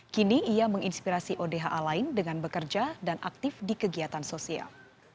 kini ia menginspirasi odha lain dengan bekerja dan aktif di kegiatan sosial